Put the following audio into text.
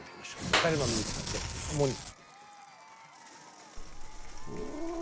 中島みゆきさんで「倶に」。